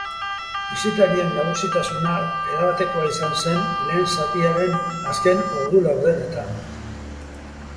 Bisitarien nagusitasuna erabatekoa izan zen lehen zatiaren azken ordu laurdenean.